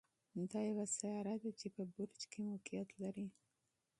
دا یوه سیاره ده چې په برج کې موقعیت لري.